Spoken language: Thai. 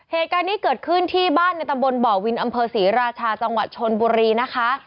เหตุการณ์นี้เกิดขึ้นที่บ้านในตำบลบ่อวินอำเภอศรีราชาจังหวัดชนบุรีนะคะ